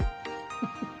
フフフ。